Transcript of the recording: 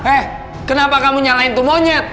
eh kenapa kamu nyalain tuh monyet